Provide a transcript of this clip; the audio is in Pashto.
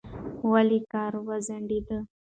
ولې کار وځنډېد؟